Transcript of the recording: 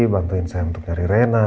bantuin saya untuk nyari rena